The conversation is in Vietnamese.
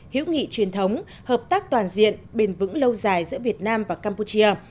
hữu nghị truyền thống hợp tác toàn diện bền vững lâu dài giữa việt nam và campuchia